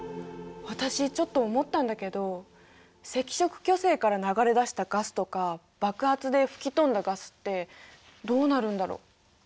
私ちょっと思ったんだけど赤色巨星から流れ出したガスとか爆発で吹き飛んだガスってどうなるんだろ。